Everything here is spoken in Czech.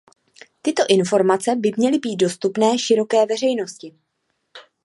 Tyto informace by měly být dostupné široké veřejnosti.